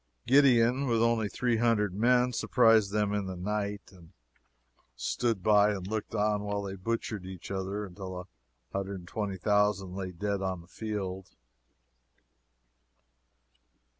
Gideon, with only three hundred men, surprised them in the night, and stood by and looked on while they butchered each other until a hundred and twenty thousand lay dead on the field.